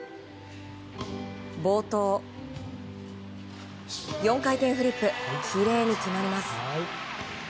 冒頭、４回転フリップきれいに決まります。